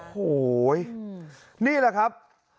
โอ้โหนี่แหละครับ